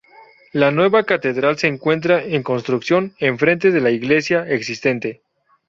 La nueva catedral se encuentra en construcción en frente de la iglesia existente.